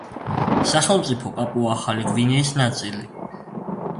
სახელმწიფო პაპუა-ახალი გვინეის ნაწილი.